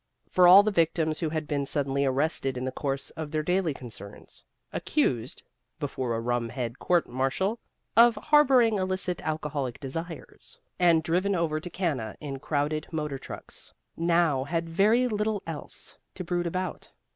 For all the victims, who had been suddenly arrested in the course of their daily concerns, accused (before a rum head court martial) of harboring illicit alcoholic desires, and driven over to Cana in crowded motor trucks, now had very little else to brood about.